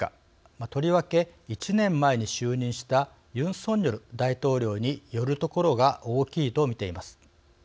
１年前に就任したユン・ソンニョル大統領によるところが大きいと見ています。